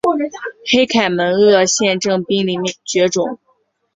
黑凯门鳄现正濒临绝种。